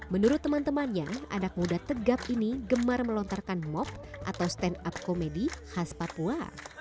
menurut teman teman yang anak muda tegap ini gemar melontarkan mob atau stand up comedy khas papua